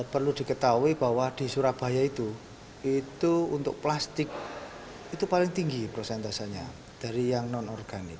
perlu diketahui bahwa di surabaya itu itu untuk plastik itu paling tinggi prosentasenya dari yang non organik